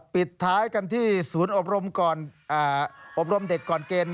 ปิดท้ายกันที่ศูนย์อบรมก่อนอบรมเด็กก่อนเกณฑ์